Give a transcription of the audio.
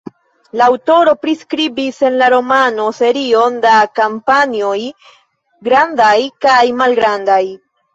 La aŭtoro priskribis en la romano serion da kampanjoj grandaj kaj malgrandaj.